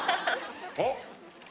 あっ！